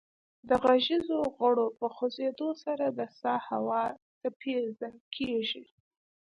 د غږیزو غړو په خوځیدو سره د سا هوا څپیزه کیږي